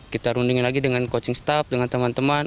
kita rundingin lagi dengan coaching staff dengan teman teman